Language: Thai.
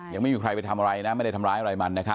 ยังไม่มีใครไปทำอะไรนะไม่ได้ทำร้ายอะไรมันนะครับ